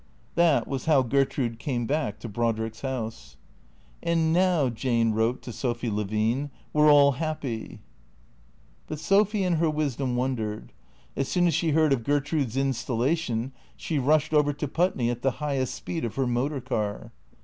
That was how Gertrude came back to Brodrick's house. " And now," Jane wrote to Sophy Levine, " we 're all happy." But Sophy in her wisdom wondered. As soon as she heard of Gertrude's installation she rushed over to Putney at the highest speed of her motor car.